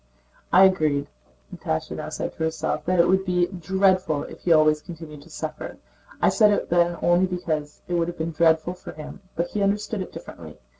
"I agreed," Natásha now said to herself, "that it would be dreadful if he always continued to suffer. I said it then only because it would have been dreadful for him, but he understood it differently.